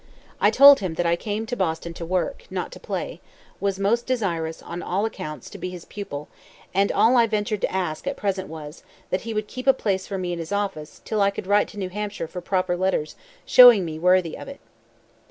"I told him that I came to Boston to work, not to play; was most desirous, on all accounts, to be his pupil; and all I ventured to ask at present was, that he would keep a place for me in his office, till I could write to New Hampshire for proper letters showing me worthy of it."